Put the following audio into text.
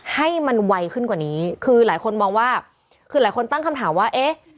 ให้มันไวขึ้นกว่านี้คือหลายคนตั้งคำถามว่า